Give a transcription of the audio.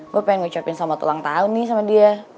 gue pengen ngucapin sama tulang tahun nih sama dia